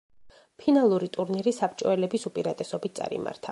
ფინალური ტურნირი საბჭოელების უპირატესობით წარიმართა.